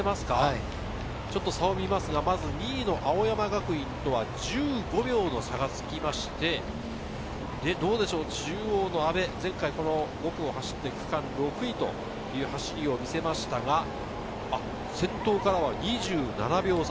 差を見ますが、まず２位の青山学院とは１５秒の差がつきまして、中央の阿部、前回５区を走って区間６位という走りを見せましたが、先頭からは２７秒差。